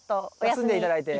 休んで頂いて。